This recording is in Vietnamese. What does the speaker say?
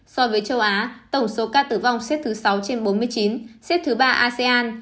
so với châu á tổng số ca tử vong xếp thứ sáu trên bốn mươi chín xếp thứ ba asean